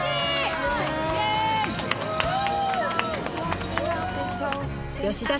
すごい！